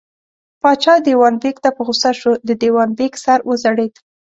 پاچا دېوان بېګ ته په غوسه شو، د دېوان بېګ سر وځړېد.